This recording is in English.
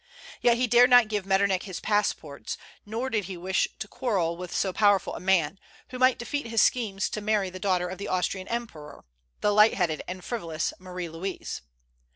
Yet he dared not give Metternich his passports, nor did he wish to quarrel with so powerful a man, who might defeat his schemes to marry the daughter of the Austrian emperor, the light headed and frivolous Marie Louise.